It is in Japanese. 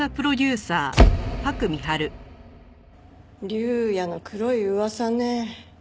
竜也の黒い噂ね。